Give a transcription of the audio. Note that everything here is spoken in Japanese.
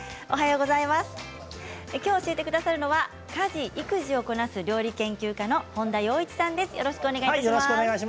きょう教えてくださるのは家事・育児をこなす料理研究家の本田よう一さんです。